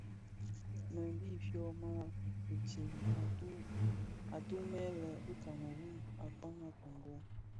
Bë bi fyoma fistem, atumèn bi Kameru a kpaň a kongo.